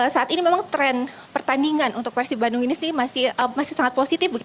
saat ini memang tren pertandingan untuk persib bandung ini masih sangat positif